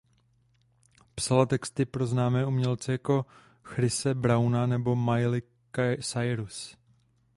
Psala texty pro známé umělce jako Chrise Browna nebo Miley Cyrus.